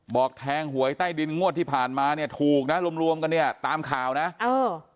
บอกแทงหวยใต้ดินงวดที่ผ่านมาเนี่ยถูกนะรวมรวมกันเนี่ยตามข่าวนะเออ